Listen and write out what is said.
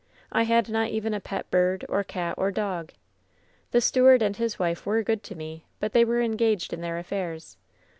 I had not even a pet bird, or cat, or dog. "The steward and his wife were good to me, but they were engaged in their affairs.